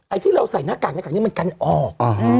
ไอที่เราใส่หน้ากากเนี่ยมันน่ากันต่อออก